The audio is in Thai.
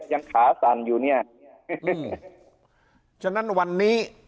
อย่างขาสั่นอยู่เนี่ย